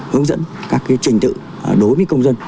hướng dẫn các trình tự đối với công dân